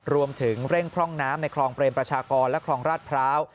รวมถึงเร่งพร่องน้ำในคลองเปรมประชากรและคลองราชพร้าว